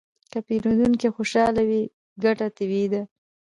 که پیرودونکی خوشحاله وي، ګټه طبیعي ده.